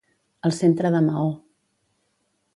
Al centre de Maó.